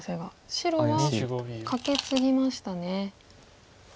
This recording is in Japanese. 白はカケツギましたね。